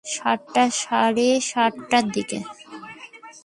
সাতটা, সাড়ে সাতটার দিকে।